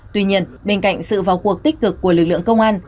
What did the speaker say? tuy nhiên bên cạnh sự vào cuộc tích cực của lực lượng công an